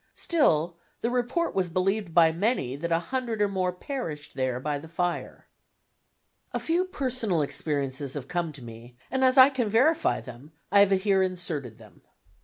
Still the report was believed by many that a hundred or more perished there by the fire. A few personal experiences have come to me, and as I can verify them, I have here inserted them.